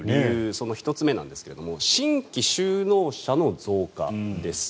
その１つ目なんですが新規就農者の増加です。